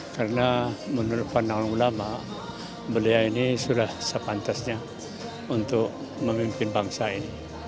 karena menurut pandang ulama belia ini sudah sepantasnya untuk memimpin bangsa ini